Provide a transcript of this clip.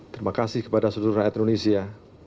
terima kasih kepada seluruh rakyat indonesia